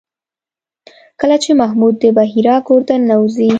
کله چې محمد د بحیرا کور ته ننوځي.